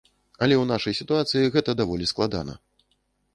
Але ў нашай сітуацыі гэта даволі складана.